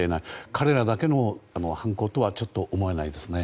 彼らだけの犯行とはちょっと思えないですね。